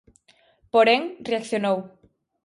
Porén, reaccionou.